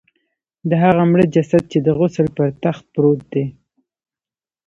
د هغه مړه جسد چې د غسل پر تخت پروت دی.